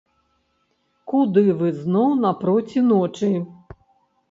Куды вы зноў напроці ночы?